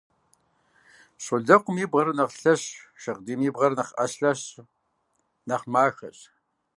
Щолэхъум и бгъэр нэхъ лъэщщ, шагъдийм и бгъэр нэхъ Ӏэслъэсщ, нэхъ махэщ.